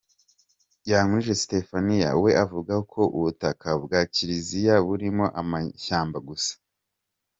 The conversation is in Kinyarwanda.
Yankurije Stephanie we avuga ko ubutaka bwa kiliziya burimo amashyamba gusa.